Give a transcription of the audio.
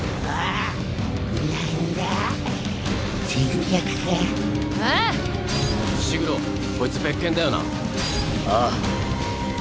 ああ。